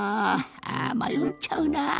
あまよっちゃうなぁ。